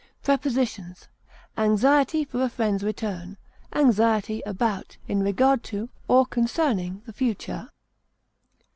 Prepositions: Anxiety for a friend's return; anxiety about, in regard to, or concerning the future.